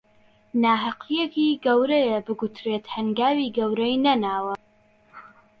ناهەقییەکی گەورەیە بگوترێت هەنگاوی گەورەی نەناوە